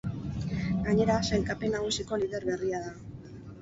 Gainera, sailkapen nagusiko lider berria da.